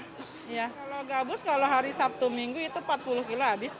kalau gabus kalau hari sabtu minggu itu empat puluh kilo habis